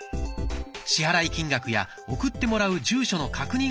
支払い金額や送ってもらう住所の確認